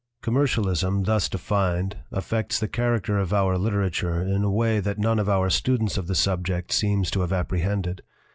"Commercialism, thus defined, affects the char acter of our literature in a way that none of our students of the subject seems to have apprehended.